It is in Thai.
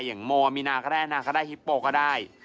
อย่างโมมีนาก็ได้นางก็ได้ฮิปโปก็ได้